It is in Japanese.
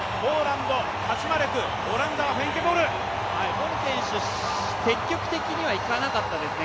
ボル選手、積極的にはいかなかったですね。